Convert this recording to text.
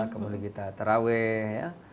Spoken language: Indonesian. kemudian kita terawih